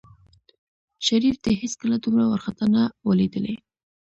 شريف دى هېڅکله دومره وارخطا نه و ليدلى.